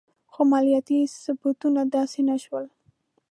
خو مالیاتي ثبتونه داسې نه شول.